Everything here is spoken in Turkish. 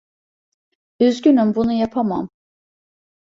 Üzgünüm, bunu yapamam.